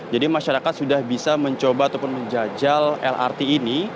jadi masyarakat sudah bisa mencoba ataupun menjajal lrt ini